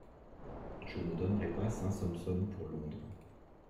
Je ne donnerais pas Saint-Sampson pour Londres.